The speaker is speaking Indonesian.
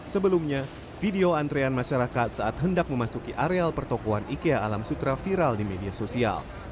sebelumnya video antrean masyarakat saat hendak memasuki areal pertokohan ikea alam sutra viral di media sosial